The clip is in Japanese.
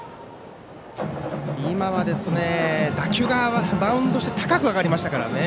今は打球がバウンドして高く上がりましたからね。